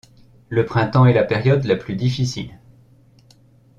Le printemps est la période la plus difficile.